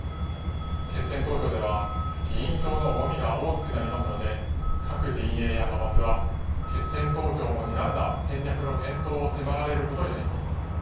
決選投票では、議員票の重みが大きくなりますので、各陣営や派閥は、決選投票もにらんだ戦略の検討を迫られることになります。